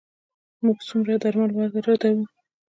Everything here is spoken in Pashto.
موږ څومره درمل واردوو؟